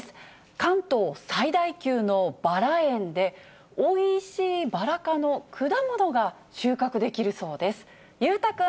関東最大級のバラ園で、おいしいバラ科の果物が収穫できるそうです。